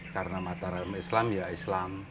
karena mataram islam ya islam